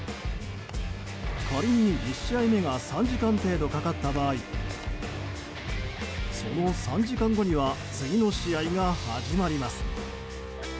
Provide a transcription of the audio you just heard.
仮に１試合目が３時間程度かかった場合その３時間後には次の試合が始まります。